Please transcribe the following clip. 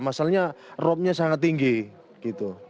masalahnya robnya sangat tinggi gitu